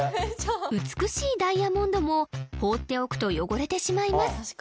美しいダイヤモンドも放っておくと汚れてしまいます